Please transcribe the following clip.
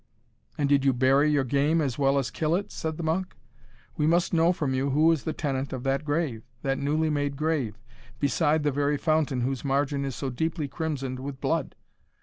"And did you bury your game as well as kill it?" said the monk. "We must know from you who is the tenant of that grave, that newly made grave, beside the very fountain whose margin is so deeply crimsoned with blood?